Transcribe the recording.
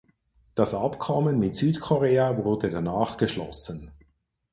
Das Abkommen mit Südkorea wurde danach geschlossen.